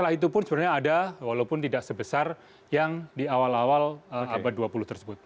jumlah itu pun sebenarnya ada walaupun tidak sebesar yang di awal awal abad dua puluh tersebut